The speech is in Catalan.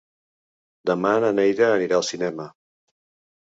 Demà na Neida anirà al cinema.